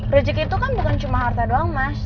rezeki itu kan bukan cuma harta doang mas